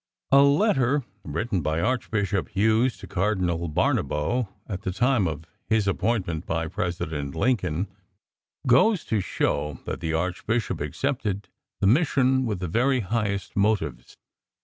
A letter written by Archbishop Hughes to Cardinal Barnabo, at the time of his appointment by President Lincoln, goes to show that the Archbishop accepted the mission with the very highest motives.